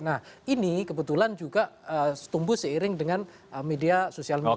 nah ini kebetulan juga tumbuh seiring dengan media sosial media